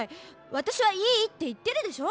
わたしはいいって言ってるでしょ。